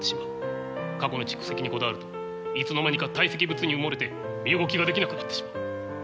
過去の蓄積にこだわるといつの間にか堆積物に埋もれて身動きができなくなってしまう。